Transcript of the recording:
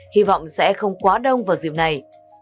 hy vọng sẽ không quá đông vào dịp này